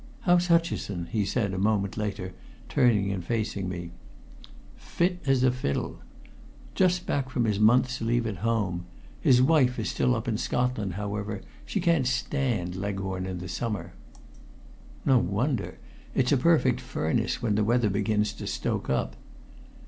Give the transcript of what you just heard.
"How's Hutcheson?" he asked a moment later, turning and facing me. "Fit as a fiddle. Just back from his month's leave at home. His wife is still up in Scotland, however. She can't stand Leghorn in summer." "No wonder. It's a perfect furnace when the weather begins to stoke up."